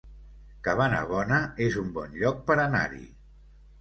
Cabanabona es un bon lloc per anar-hi